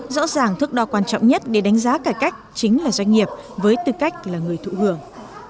rõ ràng thức đo quan trọng nhất để đánh giá cải cách chính là doanh nghiệp với tư cách là người thụ hưởng